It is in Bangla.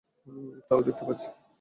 একটা আলো দেখতে পাচ্ছি।